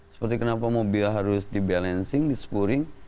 seperti kenapa mobil harus di balancing di sporing